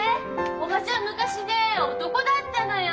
おばちゃん昔ねえ男だったのよ！